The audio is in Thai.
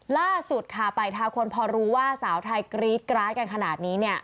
ล่าสุดค่ะไปทาคนพอรู้ว่าสาวไทยกรี๊ดกราดกันขนาดนี้เนี่ย